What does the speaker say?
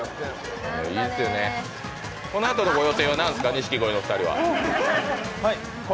このあとのご予定は何ですか、錦鯉のお二人。